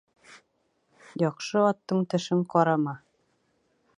Яҡшы аттың тешен ҡарама.